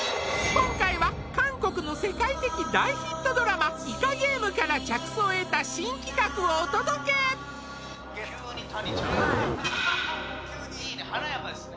今回は韓国の世界的大ヒットドラマ「イカゲーム」から着想を得た新企画をお届け急に谷ちゃんいいね華やかですね